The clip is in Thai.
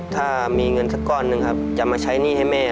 ถ้ามีเงินสักก้อนหนึ่งครับจะมาใช้หนี้ให้แม่